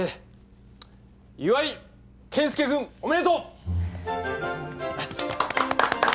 岩井健介君おめでとう！